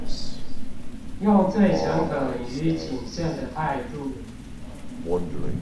用最誠懇與謹慎的態度